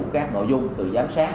các nội dung từ giám sát